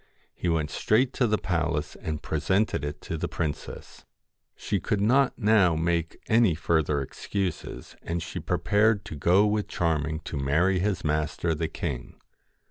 He went straight to the palace and presented it to the princess. She could not now make any further excuses, and she prepared to go with Charming to marry his master, the king.